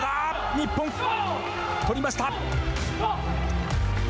日本、取りました。